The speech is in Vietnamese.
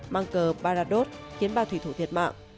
mang cờ baradot khiến ba thủy thủ thiệt mạng